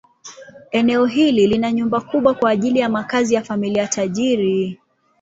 Eneo hili lina nyumba kubwa kwa ajili ya makazi ya familia tajiri.